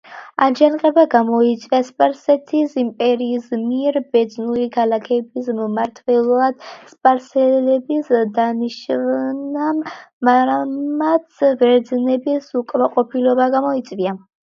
აჯანყება გამოიწვია სპარსეთის იმპერიის მიერ ბერძნული ქალაქების მმართველად სპარსელების დანიშვნამ, რამაც ბერძნების უკმაყოფილება გამოიწვია.